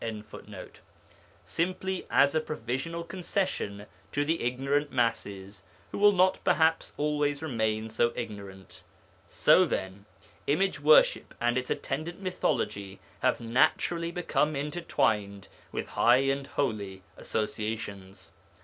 ] simply as a provisional concession to the ignorant masses, who will not perhaps always remain so ignorant. So, then, Image worship and its attendant Mythology have naturally become intertwined with high and holy associations.